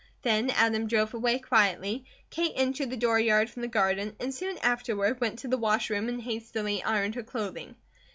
Then Adam drove away quietly, Kate entered the dooryard from the garden, and soon afterward went to the wash room and hastily ironed her clothing.